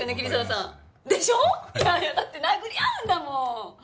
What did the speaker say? でしょ？だって殴り合うんだもん。